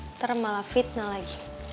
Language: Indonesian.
nanti malah fitnah lagi